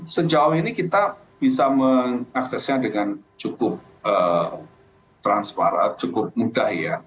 sejauh ini kita bisa mengaksesnya dengan cukup mudah ya